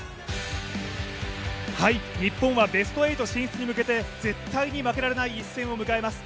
日本はベスト８進出へ向けて絶対に負けられない一戦を迎えます。